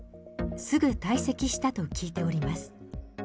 すぐ退席したと聞いております。